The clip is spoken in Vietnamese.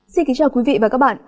xin kính chào quý vị và các bạn